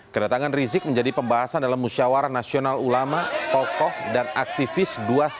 kedatangan rizik menjadi pembahasan dalam musyawarah nasional ulama tokoh dan aktivis dua ratus dua belas